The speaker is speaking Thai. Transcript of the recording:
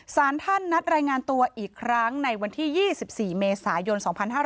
สารท่านนัดรายงานตัวอีกครั้งในวันที่๒๔เมษายน๒๕๕๙